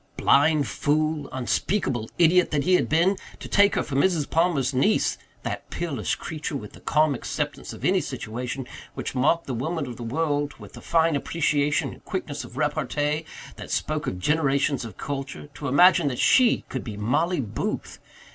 Blind fool unspeakable idiot that he had been! To take her for Mrs. Palmer's niece that peerless creature with the calm acceptance of any situation, which marked the woman of the world, with the fine appreciation and quickness of repartee that spoke of generations of culture to imagine that she could be Mollie Booth!